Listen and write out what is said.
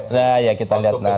nah ya kita lihat nanti